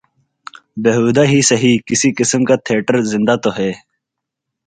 بیہودہ ہی سہی کسی قسم کا تھیٹر زندہ تو ہے۔